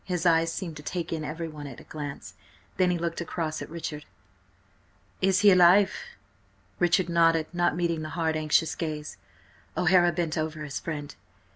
His eyes seemed to take in everyone at a glance. Then he looked across at Richard. "Is he alive?" Richard nodded, not meeting the hard, anxious gaze. O'Hara bent over his friend.